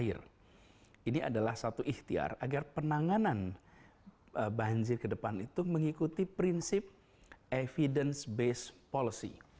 ini adalah satu ikhtiar agar penanganan banjir ke depan itu mengikuti prinsip evidence based policy